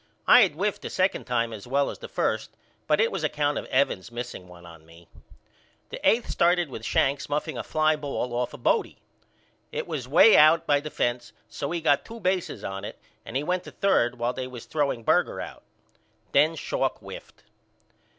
I had whiffed the second time as well as the first but it was account of Evans missing one on me. The eighth started with Shanks muffing a fly ball off of Bodie. It was way out by the fence so he got two bases on it and he went to third while they was throwing Berger out. Then Schalk whiffed.